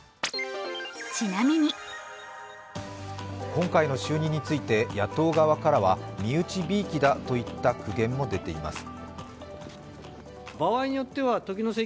今回の就任について、野党側からは身内びいきだといった苦言も出ています。